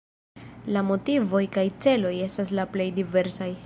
La motivoj kaj celoj estas la plej diversaj.